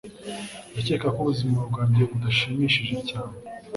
Ndakeka ko ubuzima bwanjye budashimishije cyane